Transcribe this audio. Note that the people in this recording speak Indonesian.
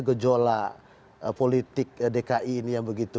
gejolak politik dki ini yang begitu